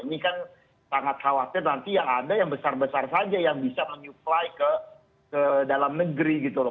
ini kan sangat khawatir nanti yang ada yang besar besar saja yang bisa menyuplai ke dalam negeri gitu loh